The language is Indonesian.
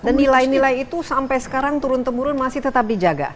dan nilai nilai itu sampai sekarang turun temurun masih tetap dijaga